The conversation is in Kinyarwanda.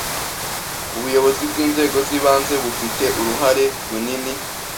ubuyobozi bw’inzego z’ibanze bufite uruhare runini